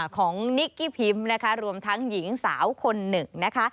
ของนิกกี้พิมพ์รวมทั้งหญิงสาวคนหนึ่ง